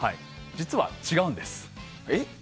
実は、違うんです。